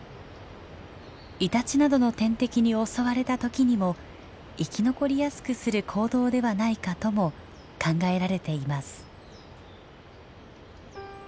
イタチなどの天敵に襲われた時にも生き残りやすくする行動ではないかとも考えられています。